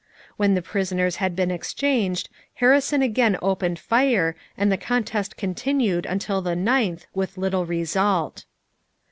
When the prisoners had been exchanged Harrison again opened fire, and the contest continued until the 9th with little result.